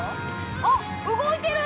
◆あっ、動いてる！